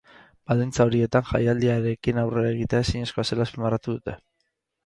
Baldintza horietan jaialdiarekin aurrera egitea ezinezkoa zela azpimarratu dute.